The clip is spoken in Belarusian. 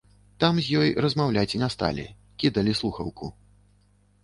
Там з ёй размаўляць не сталі, кідалі слухаўку.